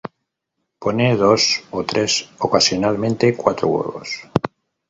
Pone dos o tres, ocasionalmente cuatro, huevos.